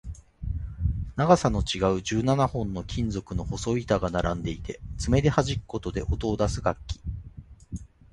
長さの違う十七本の金属の細い板が並んでいて、爪ではじくことで音を出す楽器